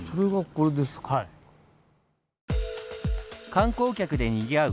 観光客でにぎわう